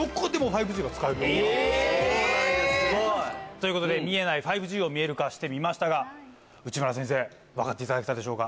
そうなんやすごい！ということで見えない５Ｇを見える化してみましたが内村先生分かっていただけたでしょうか？